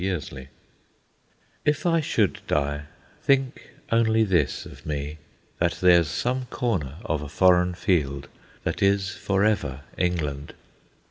The Soldier If I should die, think only this of me: That there's some corner of a foreign field That is for ever England.